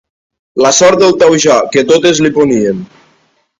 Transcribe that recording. La sort del Taujà, que totes li ponien.